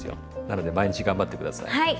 なので毎日頑張って下さい。